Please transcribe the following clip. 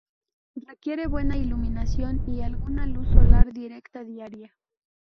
Requiere buena iluminación y alguna luz solar directa diaria.